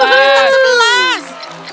jam berdentang sebelas